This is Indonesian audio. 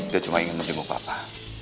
dia cuma ingin menjemput papa